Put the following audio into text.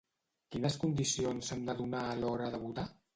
Quines condicions s'han de donar a l'hora de votar?